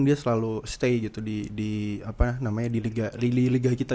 dia selalu stay gitu di apa namanya di liga lilih liga kita